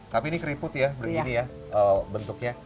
tapi ini keriput ya begini ya bentuknya